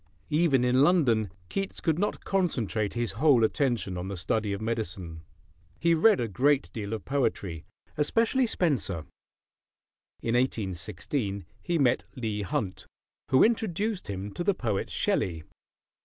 Even in London, Keats could not concentrate his whole attention on the study of medicine. He read a great deal of poetry, especially Spenser. In 1816 he met Leigh Hunt, who introduced him to the poet Shelley.